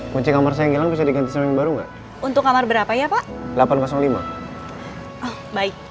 kunci kamar saya yang hilang bisa diganti sama yang baru enggak untuk kamar berapa ya pak baik